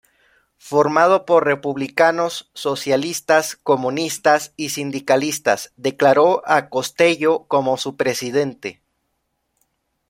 Formado por republicanos, socialistas, comunistas y sindicalistas, declaró a Costello como su presidente.